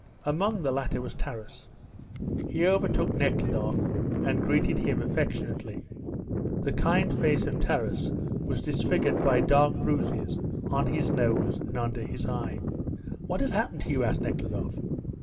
Among the latter was Taras. He overtook Nekhludoff and greeted him affectionately. The kind face of Taras was disfigured by dark bruises on his nose and under his eye. "What has happened to you?" asked Nekhludoff.